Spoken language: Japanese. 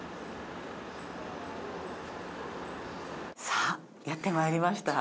さあやって参りました。